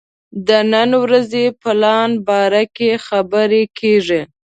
د نن ورځې پلان باره کې خبرې کېږي.